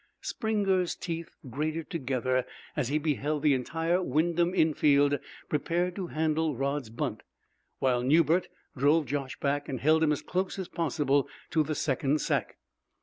Springer's teeth grated together as he beheld the entire Wyndham infield prepare to handle Rod's bunt, while Newbert drove Josh back and held him as close as possible to the second sack.